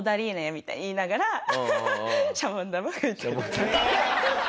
みたいな言いながらシャボン玉吹いてるっていう。